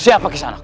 siapa kisah anakku